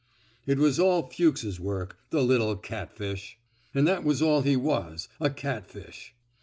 It was all Fuchs's work — the little cat fish! And that was all he was, a catfish!